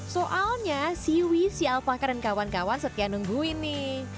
soalnya siwi si alpaka dan kawan kawan setia nunggu ini